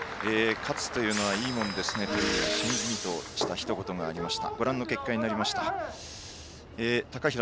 勝つというのはいいものですねとしみじみとしたひと言がありました。